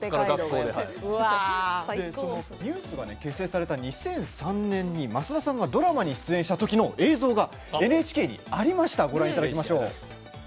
ＮＥＷＳが結成された２００３年に増田さんがドラマに出演されたときの映像がＮＨＫにありました。